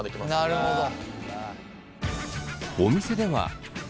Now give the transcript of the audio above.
なるほど。